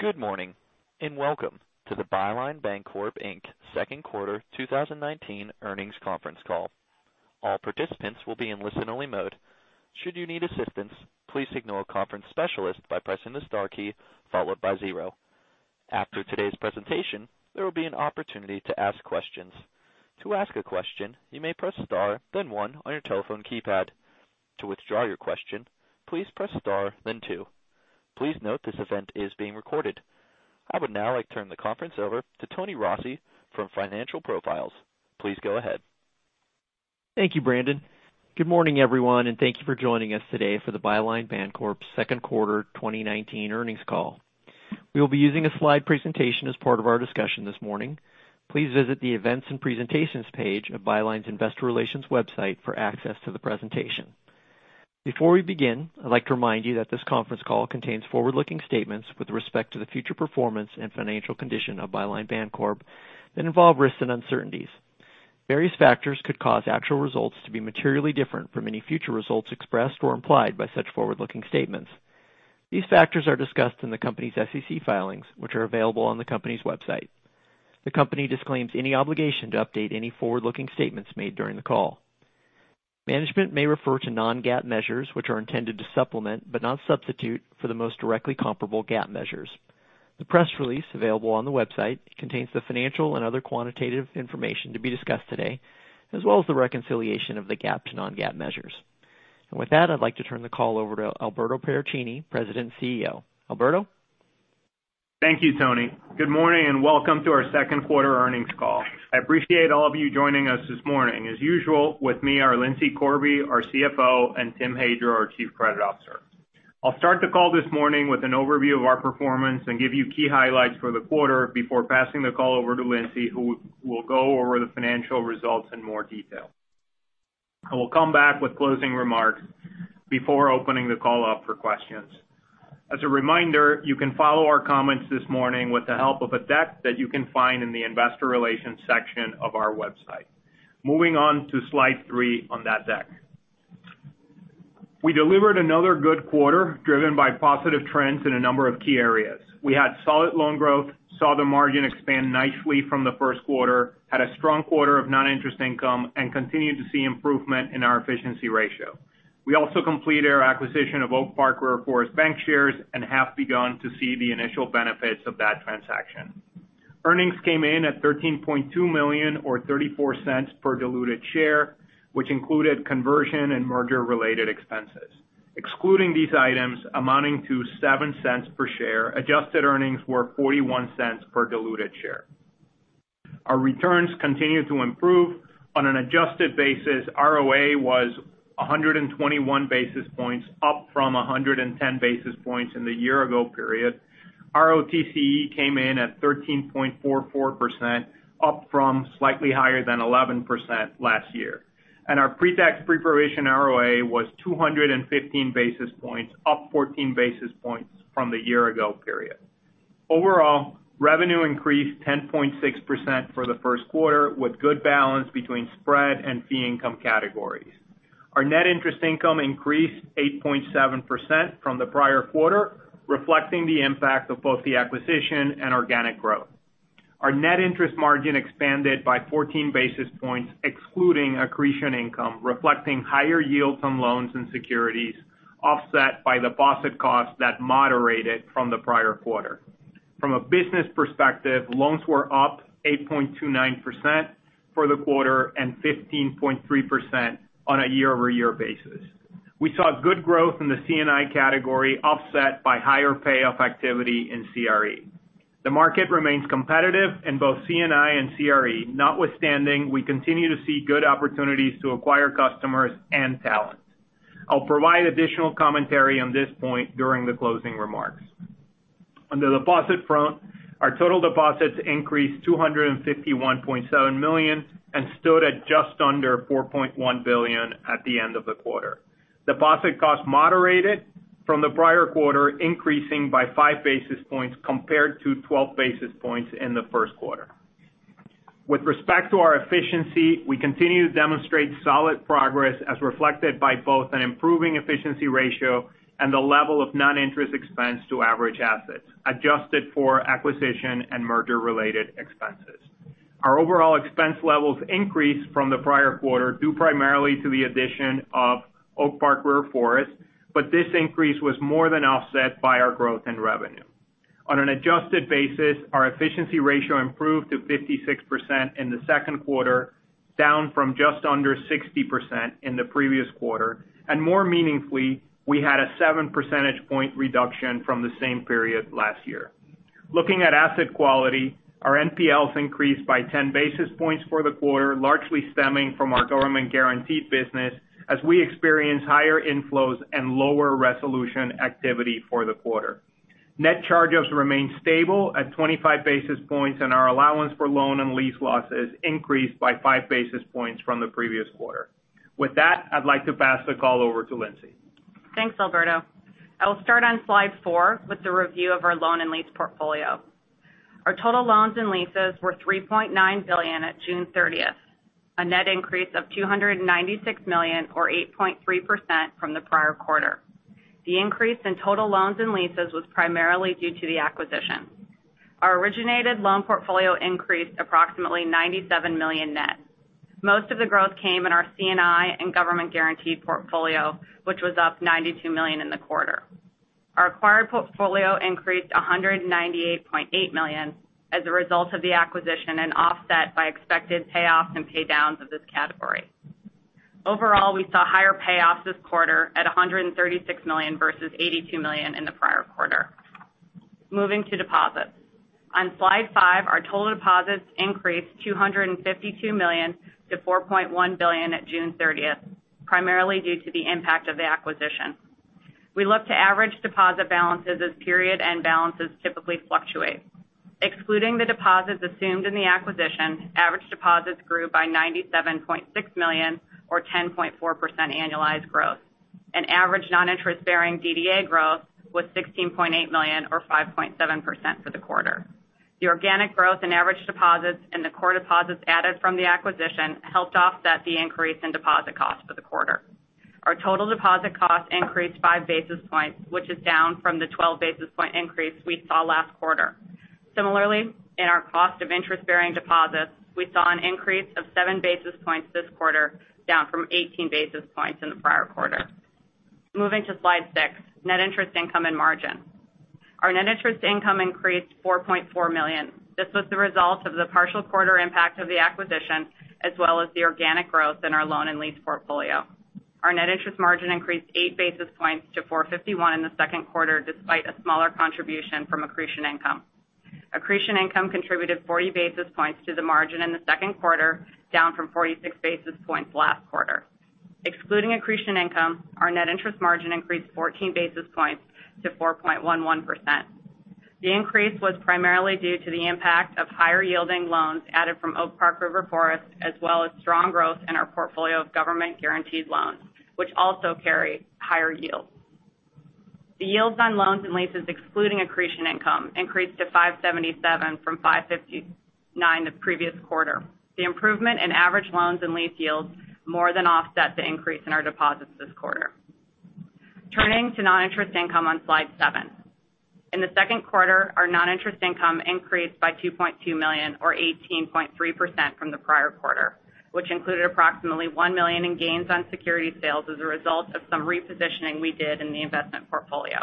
Good morning, and welcome to the Byline Bancorp, Inc. Second Quarter 2019 Earnings Conference Call. All participants will be in listen-only mode. Should you need assistance, please signal a conference specialist by pressing the star key followed by zero. After today's presentation, there will be an opportunity to ask questions. To ask a question, you may press star then one on your telephone keypad. To withdraw your question, please press star then two. Please note this event is being recorded. I would now like to turn the conference over to Tony Rossi from Financial Profiles. Please go ahead. Thank you, Brandon. Good morning, everyone, and thank you for joining us today for the Byline Bancorp Second Quarter 2019 Earnings Call. We will be using a slide presentation as part of our discussion this morning. Please visit the Events and Presentations page of Byline's investor relations website for access to the presentation. Before we begin, I'd like to remind you that this conference call contains forward-looking statements with respect to the future performance and financial condition of Byline Bancorp that involve risks and uncertainties. Various factors could cause actual results to be materially different from any future results expressed or implied by such forward-looking statements. These factors are discussed in the company's SEC filings, which are available on the company's website. The company disclaims any obligation to update any forward-looking statements made during the call. Management may refer to non-GAAP measures, which are intended to supplement, but not substitute, for the most directly comparable GAAP measures. The press release available on the website contains the financial and other quantitative information to be discussed today, as well as the reconciliation of the GAAP to non-GAAP measures. With that, I'd like to turn the call over to Alberto Paracchini, President and CEO. Alberto? Thank you, Tony. Good morning, and welcome to our second quarter earnings call. I appreciate all of you joining us this morning. As usual, with me are Lindsay Corby, our CFO, and Tim Hadro, our Chief Credit Officer. I'll start the call this morning with an overview of our performance and give you key highlights for the quarter before passing the call over to Lindsay, who will go over the financial results in more detail. I will come back with closing remarks before opening the call up for questions. As a reminder, you can follow our comments this morning with the help of a deck that you can find in the investor relations section of our website. Moving on to slide three on that deck. We delivered another good quarter driven by positive trends in a number of key areas. We had solid loan growth, saw the margin expand nicely from the first quarter, had a strong quarter of non-interest income, and continued to see improvement in our efficiency ratio. We also completed our acquisition of Oak Park River Forest Bankshares and have begun to see the initial benefits of that transaction. Earnings came in at $13.2 million, or $0.34 per diluted share, which included conversion and merger-related expenses. Excluding these items amounting to $0.07 per share, adjusted earnings were $0.41 per diluted share. Our returns continue to improve. On an adjusted basis, ROA was 121 basis points, up from 110 basis points in the year-ago period. ROTCE came in at 13.44%, up from slightly higher than 11% last year. Our pre-tax pre-provision ROA was 215 basis points, up 14 basis points from the year-ago period. Overall, revenue increased 10.6% for the first quarter, with good balance between spread and fee income categories. Our net interest income increased 8.7% from the prior quarter, reflecting the impact of both the acquisition and organic growth. Our net interest margin expanded by 14 basis points excluding accretion income, reflecting higher yields on loans and securities, offset by deposit costs that moderated from the prior quarter. From a business perspective, loans were up 8.29% for the quarter and 15.3% on a year-over-year basis. We saw good growth in the C&I category, offset by higher payoff activity in CRE. The market remains competitive in both C&I and CRE. Notwithstanding, we continue to see good opportunities to acquire customers and talent. I'll provide additional commentary on this point during the closing remarks. On the deposit front, our total deposits increased $251.7 million and stood at just under $4.1 billion at the end of the quarter. Deposit costs moderated from the prior quarter, increasing by five basis points compared to 12 basis points in the first quarter. With respect to our efficiency, we continue to demonstrate solid progress as reflected by both an improving efficiency ratio and the level of non-interest expense to average assets, adjusted for acquisition and merger-related expenses. Our overall expense levels increased from the prior quarter due primarily to the addition of Oak Park River Forest, but this increase was more than offset by our growth in revenue. On an adjusted basis, our efficiency ratio improved to 56% in the second quarter, down from just under 60% in the previous quarter, and more meaningfully, we had a seven-percentage point reduction from the same period last year. Looking at asset quality, our NPLs increased by 10 basis points for the quarter, largely stemming from our government-guaranteed business as we experienced higher inflows and lower resolution activity for the quarter. Net charge-offs remained stable at 25 basis points, and our allowance for loan and lease losses increased by five basis points from the previous quarter. With that, I'd like to pass the call over to Lindsay. Thanks, Alberto. I will start on slide four with a review of our loan and lease portfolio. Our total loans and leases were $3.9 billion at June 30th, a net increase of $296 million or 8.3% from the prior quarter. The increase in total loans and leases was primarily due to the acquisition. Our originated loan portfolio increased approximately $97 million net. Most of the growth came in our C&I and government-guaranteed portfolio, which was up $92 million in the quarter. Our acquired portfolio increased $198.8 million as a result of the acquisition and offset by expected payoffs and paydowns of this category. Overall, we saw higher payoffs this quarter at $136 million versus $82 million in the prior quarter. Moving to deposits. On slide five, our total deposits increased $252 million to $4.1 billion at June 30th, primarily due to the impact of the acquisition. We look to average deposit balances as period end balances typically fluctuate. Excluding the deposits assumed in the acquisition, average deposits grew by $97.6 million or 10.4% annualized growth, and average non-interest-bearing DDA growth was $16.8 million or 5.7% for the quarter. The organic growth in average deposits and the core deposits added from the acquisition helped offset the increase in deposit costs for the quarter. Our total deposit cost increased five basis points, which is down from the 12 basis points increase we saw last quarter. Similarly, in our cost of interest-bearing deposits, we saw an increase of seven basis points this quarter, down from 18 basis points in the prior quarter. Moving to slide six, net interest income and margin. Our net interest income increased $4.4 million. This was the result of the partial quarter impact of the acquisition, as well as the organic growth in our loan and lease portfolio. Our net interest margin increased eight basis points to 4.51% in the second quarter, despite a smaller contribution from accretion income. Accretion income contributed 40 basis points to the margin in the second quarter, down from 46 basis points last quarter. Excluding accretion income, our net interest margin increased 14 basis points to 4.11%. The increase was primarily due to the impact of higher yielding loans added from Oak Park River Forest, as well as strong growth in our portfolio of government-guaranteed loans, which also carry higher yields. The yields on loans and leases excluding accretion income increased to 5.77% from 5.59% the previous quarter. The improvement in average loans and lease yields more than offset the increase in our deposits this quarter. Turning to non-interest income on slide seven. In the second quarter, our non-interest income increased by $2.2 million or 18.3% from the prior quarter, which included approximately $1 million in gains on security sales as a result of some repositioning we did in the investment portfolio.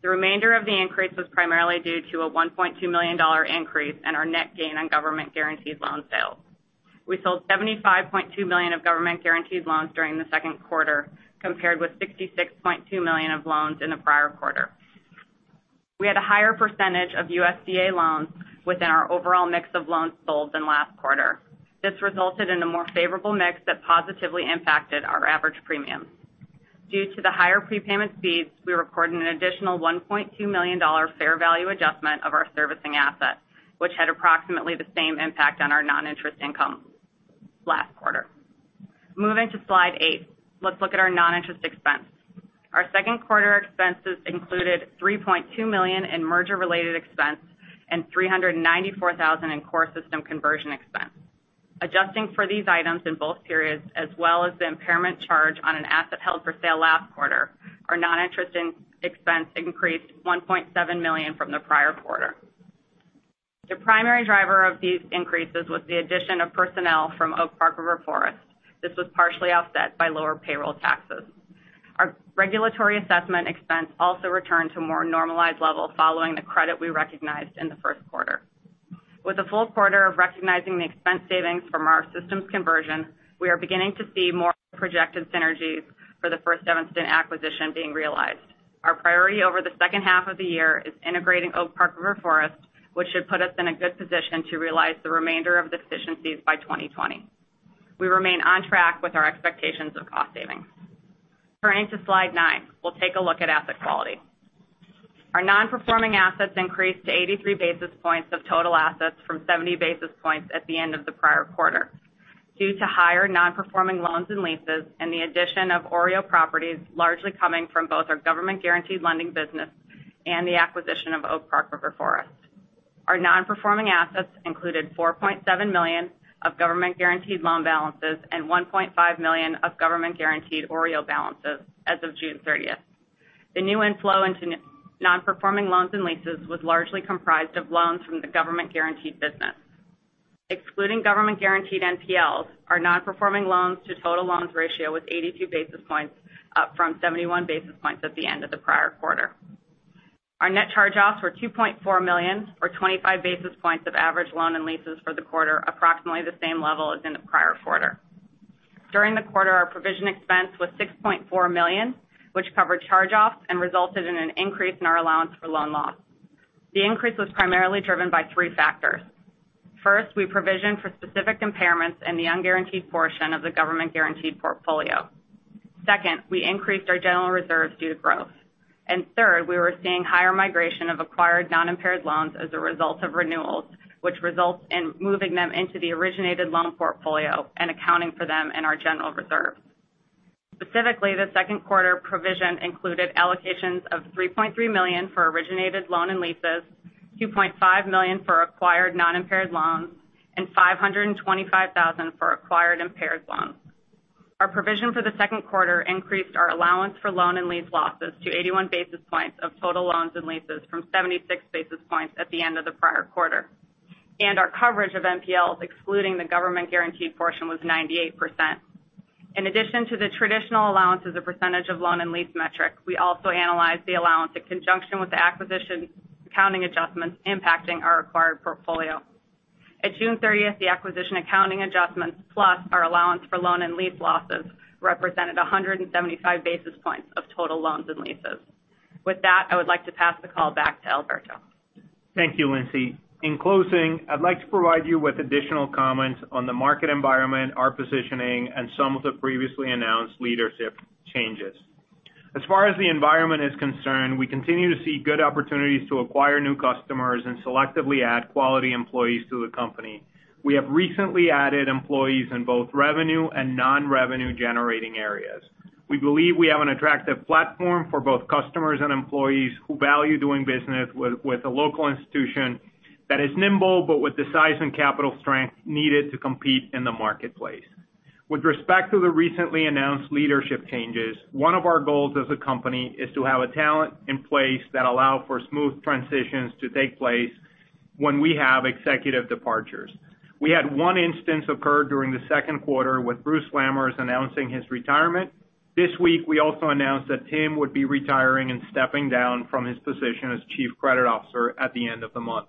The remainder of the increase was primarily due to a $1.2 million increase in our net gain on government guaranteed loan sales. We sold $75.2 million of government guaranteed loans during the second quarter, compared with $66.2 million of loans in the prior quarter. We had a higher percentage of USDA loans within our overall mix of loans sold than last quarter. This resulted in a more favorable mix that positively impacted our average premium. Due to the higher prepayment speeds, we recorded an additional $1.2 million fair value adjustment of our servicing assets, which had approximately the same impact on our non-interest income last quarter. Moving to slide eight. Let's look at our non-interest expense. Our second quarter expenses included $3.2 million in merger-related expense and $394,000 in core system conversion expense. Adjusting for these items in both periods, as well as the impairment charge on an asset held for sale last quarter, our non-interest expense increased $1.7 million from the prior quarter. The primary driver of these increases was the addition of personnel from Oak Park River Forest. This was partially offset by lower payroll taxes. Our regulatory assessment expense also returned to a more normalized level following the credit we recognized in the first quarter. With a full quarter of recognizing the expense savings from our systems conversion, we are beginning to see more projected synergies for the First Evanston acquisition being realized. Our priority over the second half of the year is integrating Oak Park River Forest, which should put us in a good position to realize the remainder of the efficiencies by 2020. We remain on track with our expectations of cost savings. Turning to slide nine, we'll take a look at asset quality. Our non-performing assets increased to 83 basis points of total assets from 70 basis points at the end of the prior quarter due to higher non-performing loans and leases and the addition of OREO properties, largely coming from both our government guaranteed lending business and the acquisition of Oak Park River Forest. Our non-performing assets included $4.7 million of government guaranteed loan balances and $1.5 million of government guaranteed OREO balances as of June 30th. The new inflow into non-performing loans and leases was largely comprised of loans from the government guaranteed business. Excluding government guaranteed NPLs, our non-performing loans to total loans ratio was 82 basis points up from 71 basis points at the end of the prior quarter. Our net charge-offs were $2.4 million, or 25 basis points of average loan and leases for the quarter, approximately the same level as in the prior quarter. During the quarter, our provision expense was $6.4 million, which covered charge-offs and resulted in an increase in our allowance for loan loss. The increase was primarily driven by three factors. First, we provisioned for specific impairments in the unguaranteed portion of the government guaranteed portfolio. Second, we increased our general reserves due to growth. Third, we were seeing higher migration of acquired non-impaired loans as a result of renewals, which results in moving them into the originated loan portfolio and accounting for them in our general reserve. Specifically, the second quarter provision included allocations of $3.3 million for originated loan and leases, $2.5 million for acquired non-impaired loans, and $525,000 for acquired impaired loans. Our provision for the second quarter increased our allowance for loan and lease losses to 81 basis points of total loans and leases from 76 basis points at the end of the prior quarter. Our coverage of NPLs, excluding the government guaranteed portion, was 98%. In addition to the traditional allowance as a percentage of loan and lease metric, we also analyzed the allowance in conjunction with the acquisition accounting adjustments impacting our acquired portfolio. At June 30th, the acquisition accounting adjustments, plus our allowance for loan and lease losses, represented 175 basis points of total loans and leases. I would like to pass the call back to Alberto. Thank you, Lindsay. In closing, I'd like to provide you with additional comments on the market environment, our positioning, and some of the previously announced leadership changes. As far as the environment is concerned, we continue to see good opportunities to acquire new customers and selectively add quality employees to the company. We have recently added employees in both revenue and non-revenue generating areas. We believe we have an attractive platform for both customers and employees who value doing business with a local institution that is nimble, but with the size and capital strength needed to compete in the marketplace. With respect to the recently announced leadership changes, one of our goals as a company is to have talent in place that allow for smooth transitions to take place when we have executive departures. We had one instance occur during the second quarter with Bruce Lammers announcing his retirement. This week, we also announced that Tim would be retiring and stepping down from his position as Chief Credit Officer at the end of the month.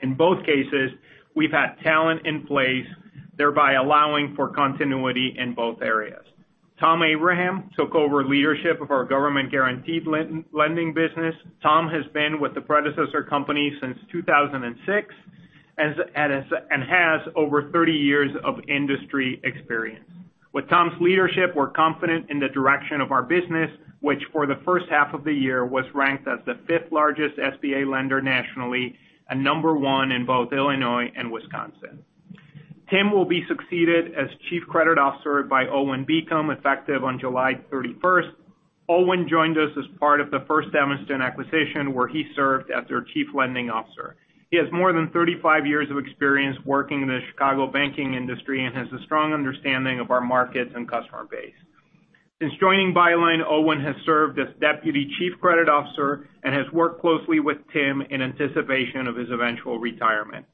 In both cases, we've had talent in place, thereby allowing for continuity in both areas. Tom Abraham took over leadership of our government guaranteed lending business. Tom has been with the predecessor company since 2006 and has over 30 years of industry experience. With Tom's leadership, we're confident in the direction of our business, which for the first half of the year was ranked as the fifth largest SBA lender nationally, and number one in both Illinois and Wisconsin. Tim will be succeeded as Chief Credit Officer by Owen Beacom, effective on July 31st. Owen joined us as part of the First Evanston acquisition, where he served as their Chief Lending Officer. He has more than 35 years of experience working in the Chicago banking industry and has a strong understanding of our markets and customer base. Since joining Byline, Owen has served as deputy chief credit officer and has worked closely with Tim in anticipation of his eventual retirement.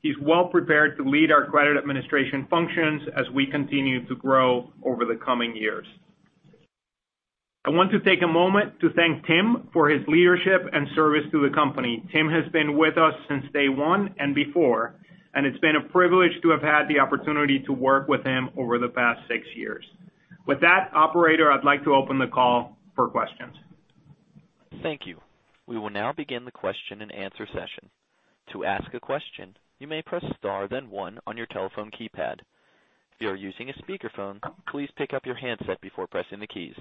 He's well prepared to lead our credit administration functions as we continue to grow over the coming years. I want to take a moment to thank Tim for his leadership and service to the company. Tim has been with us since day one and before, and it's been a privilege to have had the opportunity to work with him over the past six years. With that, operator, I'd like to open the call for questions. Thank you. We will now begin the question and answer session. To ask a question, you may press star then one on your telephone keypad. If you are using a speakerphone, please pick up your handset before pressing the keys.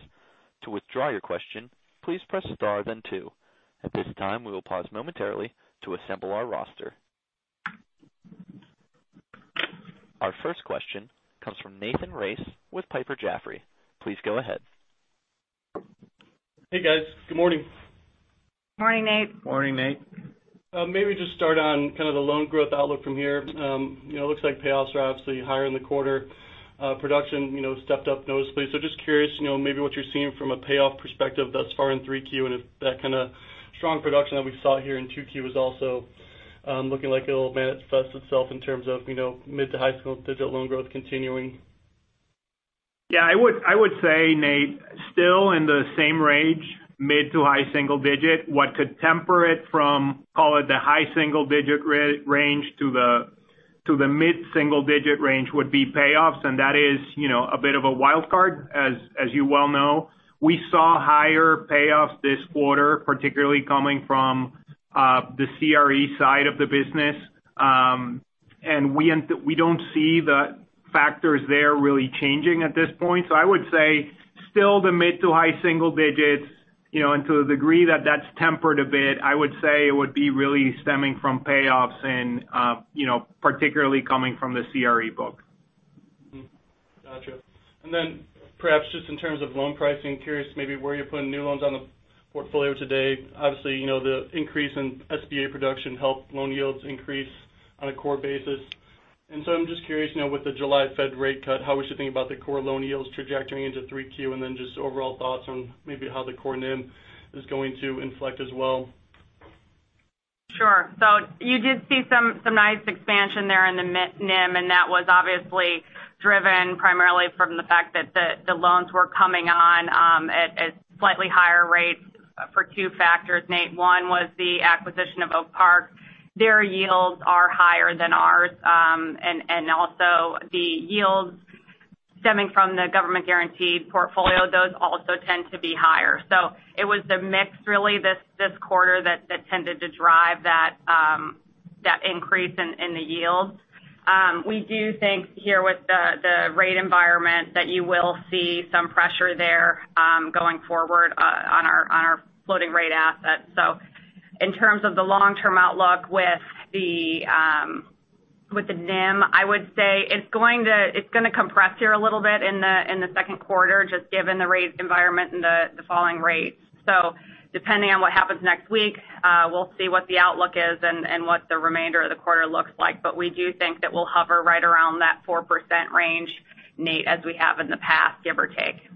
To withdraw your question, please press star then two. At this time, we will pause momentarily to assemble our roster. Our first question comes from Nathan Race with Piper Jaffray. Please go ahead. Hey, guys. Good morning. Morning, Nate. Morning, Nate. Maybe just start on kind of the loan growth outlook from here. It looks like payoffs are obviously higher in the quarter. Production stepped up noticeably. Just curious maybe what you're seeing from a payoff perspective thus far in 3Q, and if that kind of strong production that we saw here in 2Q is also looking like it'll manifest itself in terms of mid to high single-digit loan growth continuing. Yeah, I would say, Nate, still in the same range, mid to high single digit. What could temper it from, call it the high single digit range to the mid single digit range would be payoffs. That is a bit of a wildcard, as you well know. We saw higher payoffs this quarter, particularly coming from the CRE side of the business. We don't see the factors there really changing at this point. I would say still the mid to high single digits. To the degree that that's tempered a bit, I would say it would be really stemming from payoffs and particularly coming from the CRE book. Got you. Perhaps just in terms of loan pricing, curious maybe where you're putting new loans on the portfolio today. Obviously, the increase in SBA production helped loan yields increase on a core basis. I'm just curious, with the July Fed rate cut, how we should think about the core loan yields trajectory into 3Q? Just overall thoughts on maybe how the core NIM is going to inflect as well. Sure. You did see some nice expansion there in the NIM, and that was obviously driven primarily from the fact that the loans were coming on at slightly higher rates for two factors, Nate. One was the acquisition of Oak Park. Their yields are higher than ours. Also the yields stemming from the government guaranteed portfolio, those also tend to be higher. It was the mix really this quarter that tended to drive that increase in the yields. We do think here with the rate environment that you will see some pressure there going forward on our floating rate assets. In terms of the long-term outlook with the NIM, I would say it's going to compress here a little bit in the second quarter, just given the rate environment and the falling rates. Depending on what happens next week, we'll see what the outlook is and what the remainder of the quarter looks like. We do think that we'll hover right around that 4% range, Nate, as we have in the past, give or take.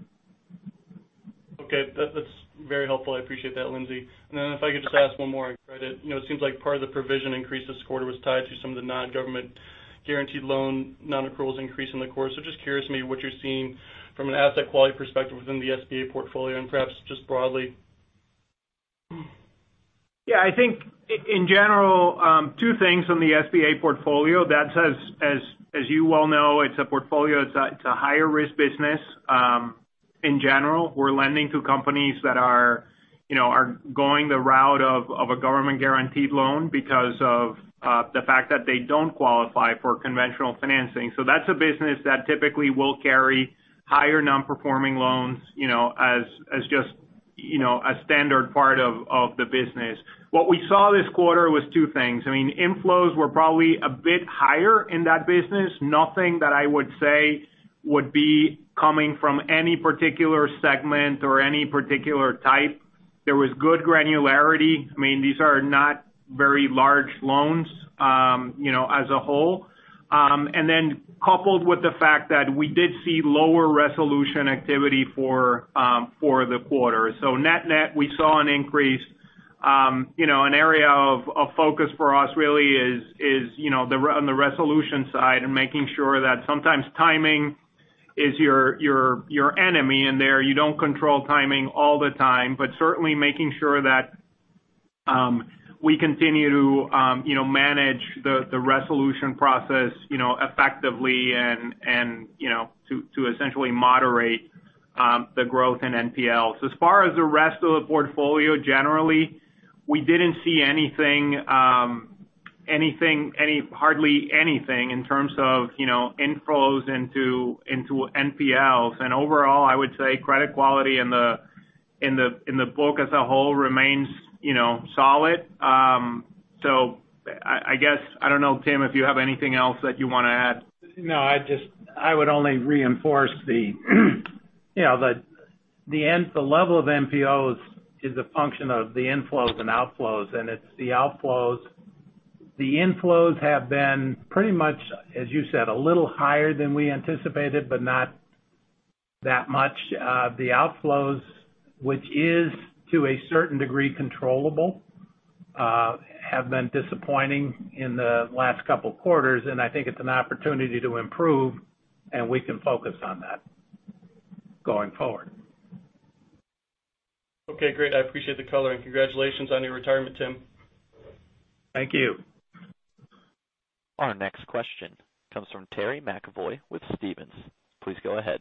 Okay. That's very helpful. I appreciate that, Lindsay. Then if I could just ask one more on credit. It seems like part of the provision increase this quarter was tied to some of the non-government guaranteed loan non-accruals increase in the course. Just curious maybe what you're seeing from an asset quality perspective within the SBA portfolio and perhaps just broadly. I think in general, two things from the SBA portfolio. That says, as you well know, it's a portfolio, it's a higher-risk business. In general, we're lending to companies that are going the route of a government-guaranteed loan because of the fact that they don't qualify for conventional financing. That's a business that typically will carry higher non-performing loans as just a standard part of the business. What we saw this quarter was two things. Inflows were probably a bit higher in that business. Nothing that I would say would be coming from any particular segment or any particular type. There was good granularity. These are not very large loans as a whole. Coupled with the fact that we did see lower resolution activity for the quarter. Net-net, we saw an increase. An area of focus for us really is on the resolution side and making sure that sometimes timing is your enemy in there. You don't control timing all the time, but certainly making sure that we continue to manage the resolution process effectively and to essentially moderate the growth in NPLs. As far as the rest of the portfolio, generally, we didn't see hardly anything in terms of inflows into NPLs. Overall, I would say credit quality in the book as a whole remains solid. I guess, I don't know, Tim, if you have anything else that you want to add. No. I would only reinforce the level of NPLs is a function of the inflows and outflows, and it's the outflows. The inflows have been pretty much, as you said, a little higher than we anticipated, but not that much. The outflows, which is to a certain degree controllable, have been disappointing in the last couple of quarters, and I think it's an opportunity to improve, and we can focus on that going forward. Okay, great. I appreciate the color. Congratulations on your retirement, Tim. Thank you. Our next question comes from Terry McEvoy with Stephens. Please go ahead.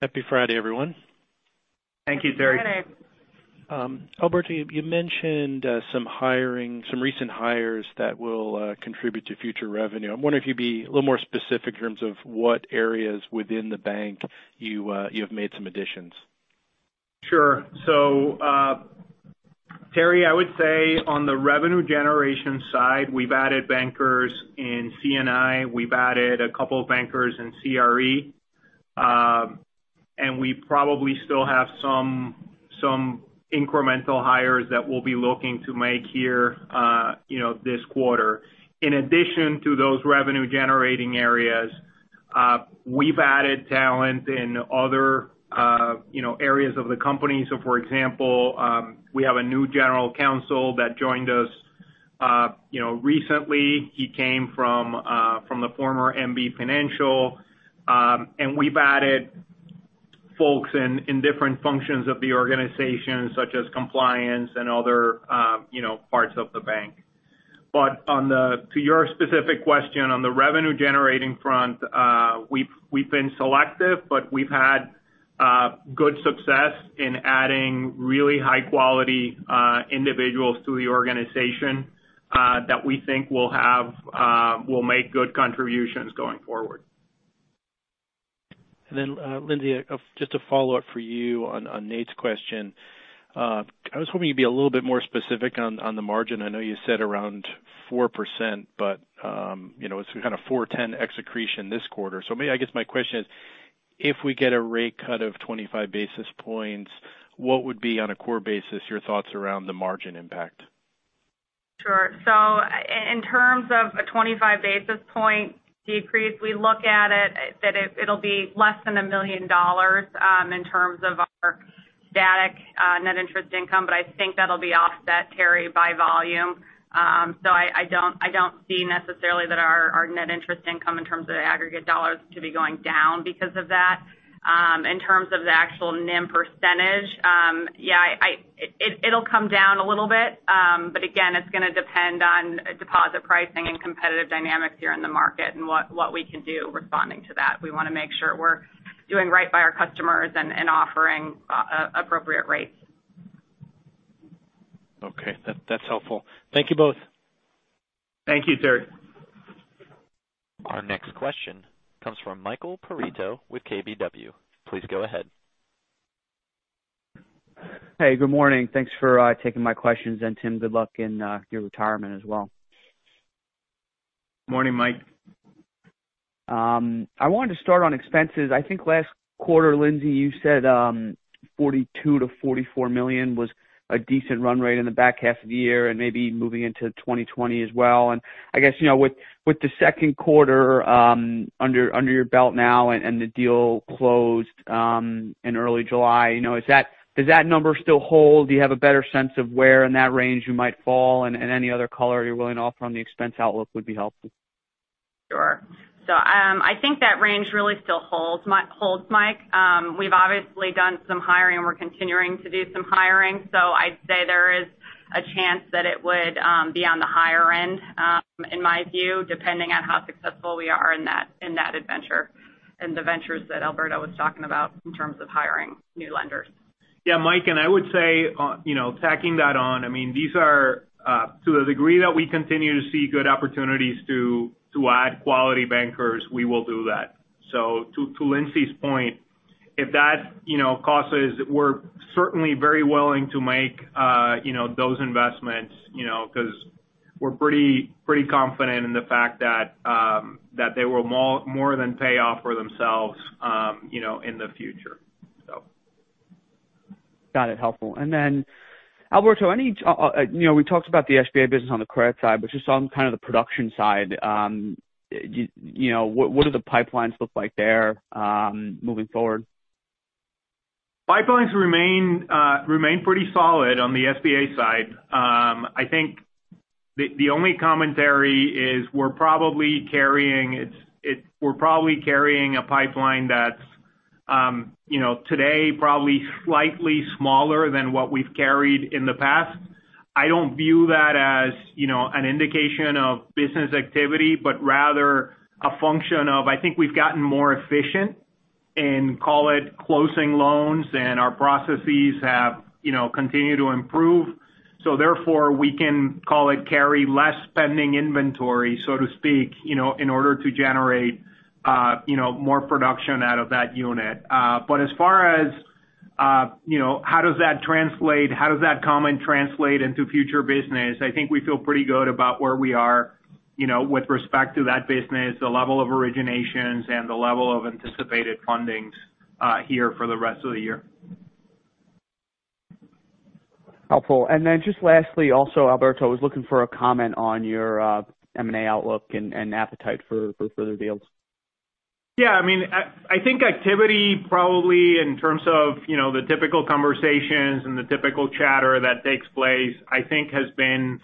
Happy Friday, everyone. Thank you, Terry. Good Friday. Alberto, you mentioned some recent hires that will contribute to future revenue. I'm wondering if you'd be a little more specific in terms of what areas within the bank you have made some additions? Sure. Terry, I would say on the revenue generation side, we've added bankers in C&I, we've added a couple of bankers in CRE. We probably still have some incremental hires that we'll be looking to make here this quarter. In addition to those revenue-generating areas, we've added talent in other areas of the company. For example, we have a new general counsel that joined us recently. He came from the former MB Financial. We've added folks in different functions of the organization, such as compliance and other parts of the bank. To your specific question, on the revenue-generating front, we've been selective, but we've had good success in adding really high-quality individuals to the organization that we think will make good contributions going forward. Lindsay, just a follow-up for you on Nate's question. I was hoping you'd be a little bit more specific on the margin. I know you said around 4%, but it's kind of 410 ex accretion this quarter. I guess my question is: if we get a rate cut of 25 basis points, what would be on a core basis your thoughts around the margin impact? Sure. In terms of a 25-basis point decrease, we look at it that it'll be less than $1 million in terms of our static net interest income. I think that'll be offset, Terry, by volume. I don't see necessarily that our net interest income in terms of the aggregate dollars to be going down because of that. In terms of the actual NIM percentage, yeah, it'll come down a little bit. Again, it's going to depend on deposit pricing and competitive dynamics here in the market and what we can do responding to that. We want to make sure we're doing right by our customers and offering appropriate rates. Okay. That's helpful. Thank you both. Thank you, Terry. Our next question comes from Michael Perito with KBW. Please go ahead. Hey, good morning. Thanks for taking my questions. Tim, good luck in your retirement as well. Morning, Mike. I wanted to start on expenses. I think last quarter, Lindsay, you said $42 million-$44 million was a decent run rate in the back half of the year and maybe moving into 2020 as well. I guess, with the second quarter under your belt now and the deal closed in early July, does that number still hold? Do you have a better sense of where in that range you might fall, and any other color you're willing to offer on the expense outlook would be helpful. Sure. I think that range really still holds, Mike. We've obviously done some hiring. We're continuing to do some hiring. I'd say there is a chance that it would be on the higher end, in my view, depending on how successful we are in that adventure and the ventures that Alberto was talking about in terms of hiring new lenders. Yeah, Mike, I would say, tacking that on, to the degree that we continue to see good opportunities to add quality bankers, we will do that. To Lindsay's point, we're certainly very willing to make those investments, because we're pretty confident in the fact that they will more than pay off for themselves in the future. Got it. Helpful. Alberto, we talked about the SBA business on the credit side, but just on the production side, what do the pipelines look like there moving forward? Pipelines remain pretty solid on the SBA side. I think the only commentary is we're probably carrying a pipeline that's today probably slightly smaller than what we've carried in the past. I don't view that as an indication of business activity, rather a function of, I think we've gotten more efficient in, call it, closing loans, and our processes have continued to improve. Therefore, we can, call it, carry less spending inventory, so to speak, in order to generate more production out of that unit. As far as how does that comment translate into future business, I think we feel pretty good about where we are with respect to that business, the level of originations, and the level of anticipated fundings here for the rest of the year. Helpful. Just lastly also, Alberto, I was looking for a comment on your M&A outlook and appetite for further deals. Yeah. I think activity probably in terms of the typical conversations and the typical chatter that takes place, I think has been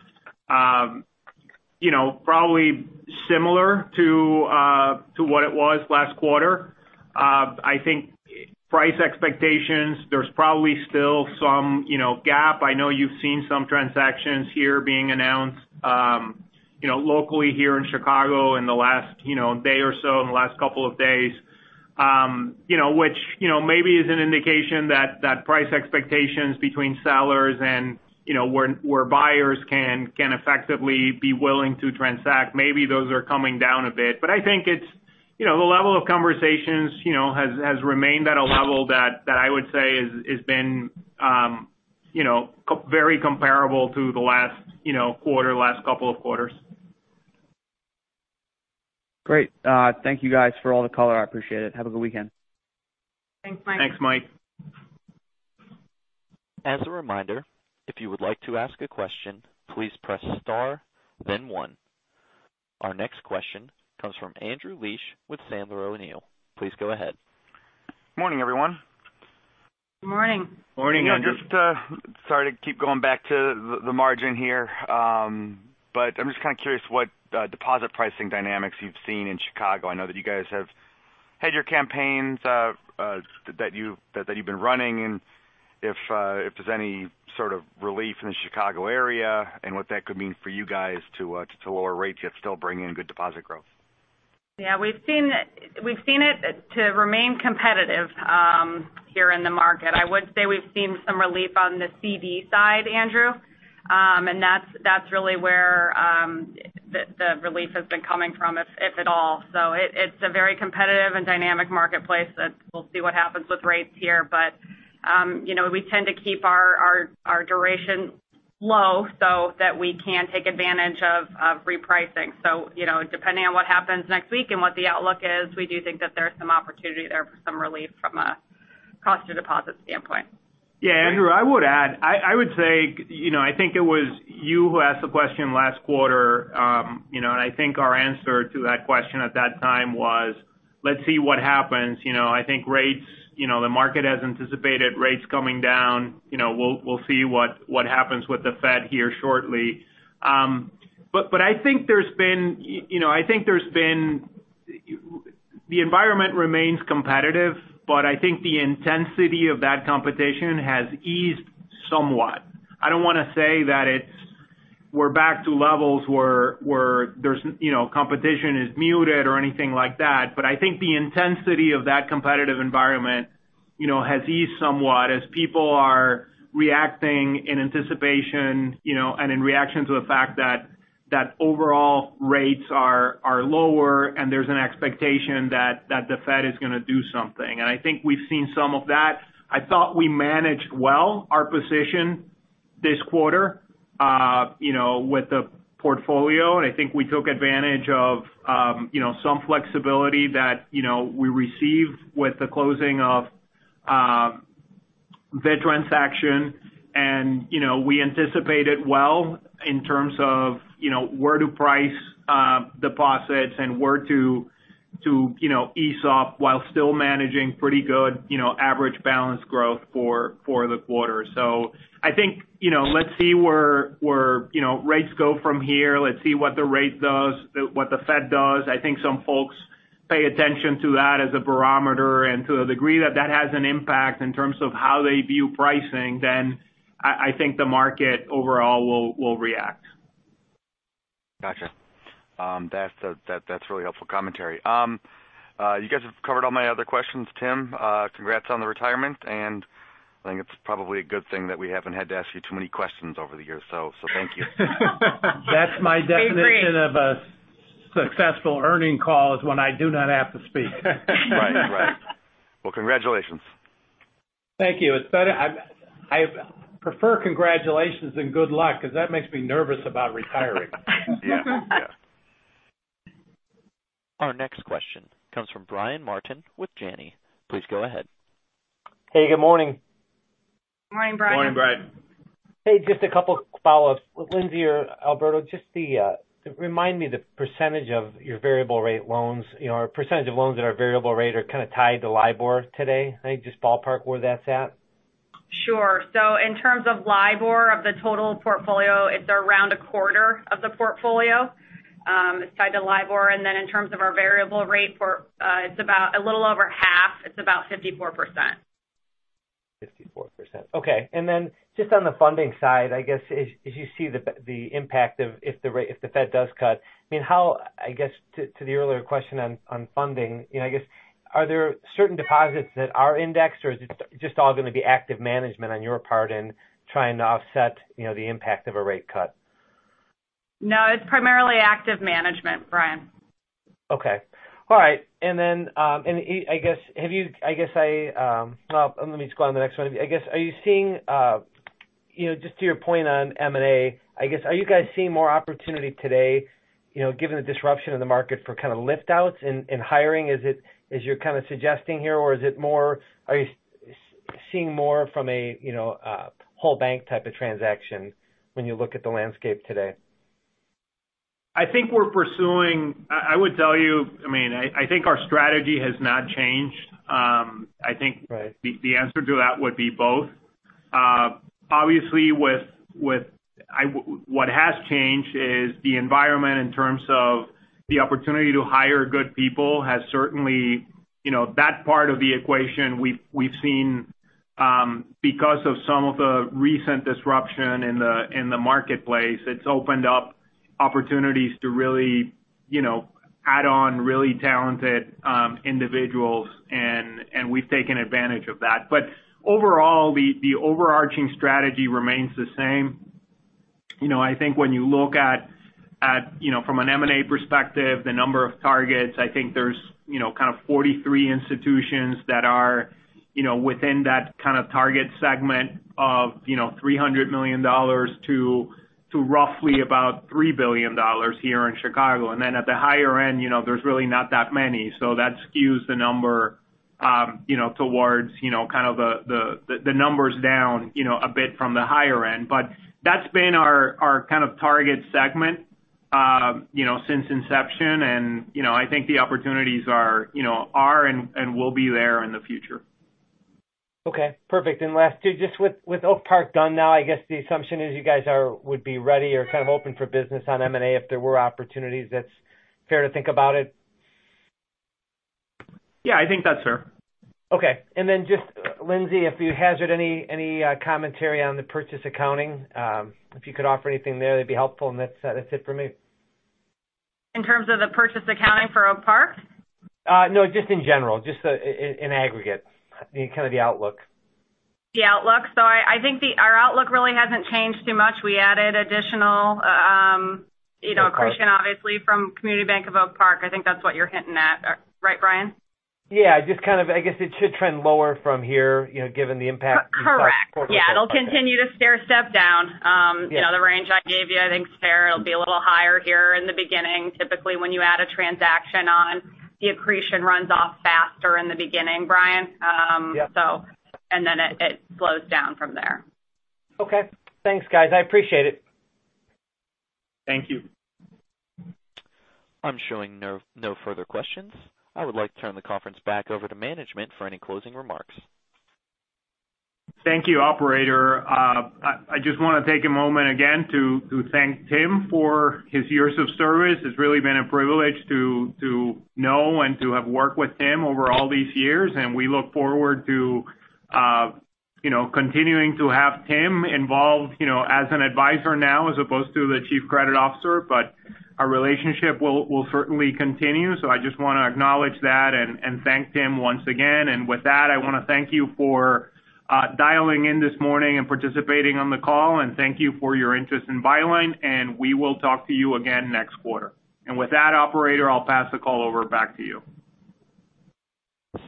probably similar to what it was last quarter. I think price expectations, there's probably still some gap. I know you've seen some transactions here being announced locally here in Chicago in the last day or so, in the last couple of days, which maybe is an indication that price expectations between sellers and where buyers can effectively be willing to transact. Maybe those are coming down a bit. I think the level of conversations has remained at a level that I would say has been very comparable to the last quarter, last couple of quarters. Great. Thank you guys for all the color. I appreciate it. Have a good weekend. Thanks, Mike. Thanks, Mike. As a reminder, if you would like to ask a question, please press star, then one. Our next question comes from Andrew Liesch with Sandler O'Neill. Please go ahead. Morning, everyone. Morning. Morning, Andrew. Just sorry to keep going back to the margin here. I'm just kind of curious what deposit pricing dynamics you've seen in Chicago. I know that you guys have had your campaigns that you've been running, and if there's any sort of relief in the Chicago area and what that could mean for you guys to lower rates yet still bring in good deposit growth. Yeah, we've seen it to remain competitive here in the market. I would say we've seen some relief on the CD side, Andrew. That's really where the relief has been coming from, if at all. It's a very competitive and dynamic marketplace that we'll see what happens with rates here. We tend to keep our duration low so that we can take advantage of repricing. Depending on what happens next week and what the outlook is, we do think that there's some opportunity there for some relief from a cost to deposit standpoint. Yeah, Andrew, I would add. I would say, I think it was you who asked the question last quarter. I think our answer to that question at that time was, let's see what happens. I think the market has anticipated rates coming down. We'll see what happens with the Fed here shortly. I think the environment remains competitive, but I think the intensity of that competition has eased somewhat. I don't want to say that we're back to levels where competition is muted or anything like that. I think the intensity of that competitive environment has eased somewhat as people are reacting in anticipation and in reaction to the fact that overall rates are lower and there's an expectation that the Fed is going to do something. I think we've seen some of that. I thought we managed well our position this quarter with the portfolio. I think we took advantage of some flexibility that we received with the closing of the transaction. We anticipated well in terms of where to price deposits and where to ease off while still managing pretty good average balance growth for the quarter. I think let's see where rates go from here. Let's see what the Fed does. I think some folks pay attention to that as a barometer, and to a degree that has an impact in terms of how they view pricing, then I think the market overall will react. Got you. That's really helpful commentary. You guys have covered all my other questions. Tim, congrats on the retirement, and I think it's probably a good thing that we haven't had to ask you too many questions over the years. Thank you. We agree. That's my definition of a successful earnings call is when I do not have to speak. Right. Well, congratulations. Thank you. I prefer congratulations than good luck because that makes me nervous about retiring. Yeah. Our next question comes from Brian Martin with Janney. Please go ahead. Hey, good morning. Morning, Brian. Morning, Brian. Hey, just a couple follow-ups. Lindsay or Alberto, just remind me the percentage of your variable rate loans or percentage of loans that are variable rate are kind of tied to LIBOR today. Can you just ballpark where that's at? Sure. In terms of LIBOR of the total portfolio, it's around a quarter of the portfolio. It's tied to LIBOR. In terms of our variable rate, it's about a little over half. It's about 54%. 54%. Okay. Just on the funding side, I guess as you see the impact if the Fed does cut, to the earlier question on funding, are there certain deposits that are indexed, or is it just all going to be active management on your part in trying to offset the impact of a rate cut? No, it's primarily active management, Brian. Okay. All right. Well, let me just go on to the next one. Just to your point on M&A, are you guys seeing more opportunity today, given the disruption in the market for kind of lift outs in hiring as you're kind of suggesting here, or are you seeing more from a whole bank type of transaction when you look at the landscape today? I would tell you, I think our strategy has not changed. Right. I think the answer to that would be both. Obviously, what has changed is the environment in terms of the opportunity to hire good people, that part of the equation we've seen because of some of the recent disruption in the marketplace, it's opened up opportunities to really add on really talented individuals, and we've taken advantage of that. Overall, the overarching strategy remains the same. I think when you look at from an M&A perspective, the number of targets, I think there's kind of 43 institutions that are within that kind of target segment of $300 million to roughly about $3 billion here in Chicago. At the higher end, there's really not that many. That skews the number towards kind of the numbers down a bit from the higher end. That's been our kind of target segment since inception, and I think the opportunities are and will be there in the future. Okay, perfect. Last two, just with Oak Park done now, I guess the assumption is you guys would be ready or kind of open for business on M&A if there were opportunities. That's fair to think about it? Yeah, I think that's fair. Okay. Just Lindsay, if you hazard any commentary on the purchase accounting, if you could offer anything there, that'd be helpful. That's it for me. In terms of the purchase accounting for Oak Park? No, just in general. Just in aggregate. Kind of the outlook. The outlook. I think our outlook really hasn't changed too much. We added. Oak Park accretion, obviously, from Community Bank of Oak Park. I think that's what you're hinting at. Right, Brian? Yeah, I guess it should trend lower from here given the impact- Correct. Okay. Yeah, it'll continue to stair step down. Yeah. The range I gave you, I think start, it'll be a little higher here in the beginning. Typically, when you add a transaction on, the accretion runs off faster in the beginning, Brian. Yeah. It slows down from there. Okay. Thanks, guys. I appreciate it. Thank you. I'm showing no further questions. I would like to turn the conference back over to management for any closing remarks. Thank you, operator. I just want to take a moment again to thank Tim for his years of service. It's really been a privilege to know and to have worked with Tim over all these years, and we look forward to continuing to have Tim involved as an advisor now as opposed to the Chief Credit Officer. Our relationship will certainly continue. I just want to acknowledge that and thank Tim once again. With that, I want to thank you for dialing in this morning and participating on the call, and thank you for your interest in Byline, and we will talk to you again next quarter. With that, operator, I'll pass the call over back to you.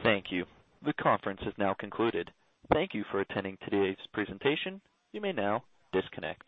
Thank you. The conference has now concluded. Thank you for attending today's presentation. You may now disconnect.